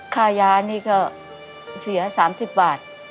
ค่ายานี่ก็เสีย๓๐บาท